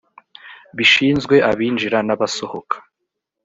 bishinzwe abinjira n abasohoka